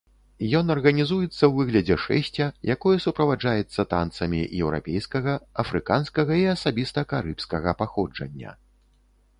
Ён арганізуецца ў выглядзе шэсця, якое суправаджаецца танцамі еўрапейскага, афрыканскага і асабіста карыбскага паходжання.